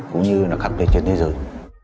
cũng như khắp thế giới